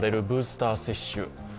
ブースター接種。